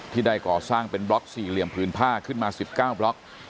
ได้ก่อสร้างเป็นบล็อกสี่เหลี่ยมผืนผ้าขึ้นมา๑๙บล็อก